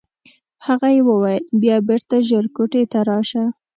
هغه یې وویل بیا بېرته ژر کوټې ته راشه.